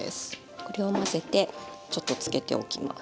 これを混ぜてちょっと漬けておきます。